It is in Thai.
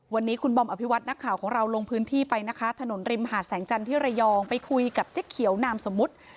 วันนี้คุณบอมอภิวัตินักข่าวของเราลงพื้นที่ไปนะคะถนนริมหาดแสงจันทร์ที่ระยองไปคุยกับเจ๊เขียวนามสมมุติ